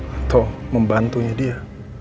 atau membantunya dia